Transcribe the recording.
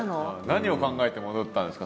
何を考えて戻ったんですか？